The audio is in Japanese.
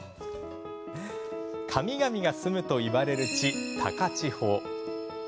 神々が住むといわれる地、高千穂。